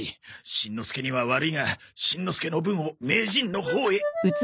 しんのすけには悪いがしんのすけの分を名人のほうへ。